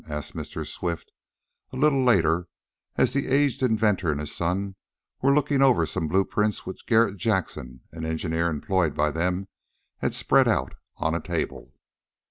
asked Mr. Swift, a little later, as the aged inventor and his son were looking over some blueprints which Garret Jackson, an engineer employed by them, had spread out on a table.